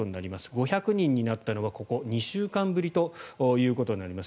５００人になったのは２週間ぶりということになります。